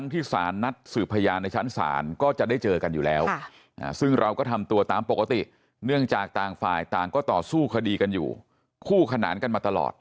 ที่จะใกล้เวลานะครับ